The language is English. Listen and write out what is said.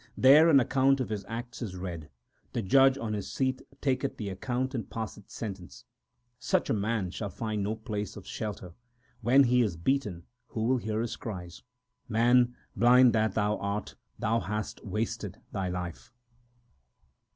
There an account of his acts is read ; the Judge on his seat taketh the account and passeth sentence. Such a man shall find no place of shelter ; when he is beaten, who will hear his cries ? Man, blind that thou art, thou hast wasted thy life.